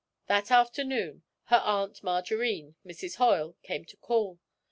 That afternoon, her aunt Margarine, Mrs. Hoyle, came to call.